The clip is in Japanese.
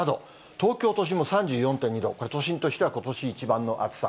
東京都心も３４．２度、これ、都心としてはことし一番の暑さ。